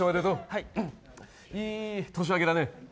いい年明けだね。